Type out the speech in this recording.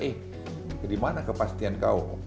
eh dimana kepastian kau